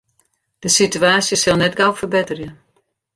De sitewaasje sil net gau ferbetterje.